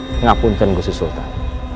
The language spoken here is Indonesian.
tidak pun tengku se sultan